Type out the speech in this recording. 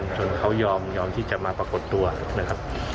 จนเขายอมที่จะมาปรากฏตัวนะครับ